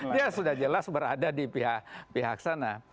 dia sudah jelas berada di pihak sana